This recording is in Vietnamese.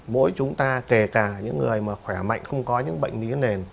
mỗi chúng ta kể cả những người mà khỏe mạnh không có những bệnh lý nền